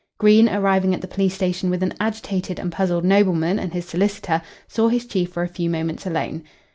Green, arriving at the police station with an agitated and puzzled nobleman and his solicitor, saw his chief for a few moments alone.